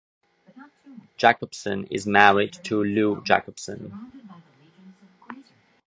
Jacobson is married to Lou Jacobson.